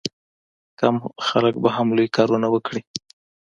کم خلک به هم لوی کارونه وکړي.